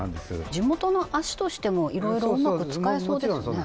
地元の足としてもいろいろうまく使えそうですね